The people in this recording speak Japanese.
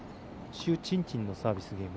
朱珍珍のサービスゲーム。